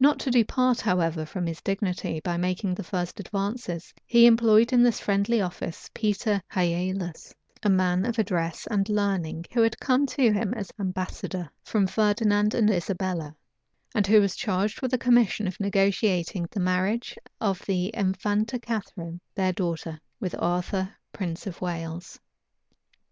Not to depart, however, from his dignity, by making the first advances, he employed in this friendly office Peter Hialas, a man of address and learning, who had come to him as ambassador from Ferdinand and Isabella, and who was charged with a commission of negotiating the marriage of the Infanta Catharine, their daughter, with Arthur, prince of Wales.